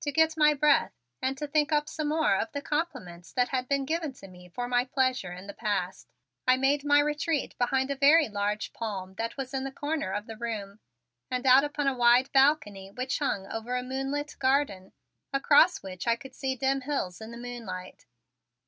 To get my breath and to think up some more of the compliments that had been given to me for my pleasure in the past, I made my retreat behind a very large palm that was in the corner of the room, and out upon a wide balcony which hung over a moonlit garden across which I could see dim hills in the moonlight.